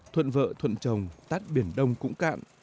thuận vợ thuận chồng tát biển đông cũng cạn